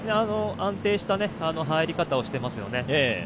安定した入り方をしていますよね。